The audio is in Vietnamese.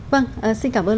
vâng xin cảm ơn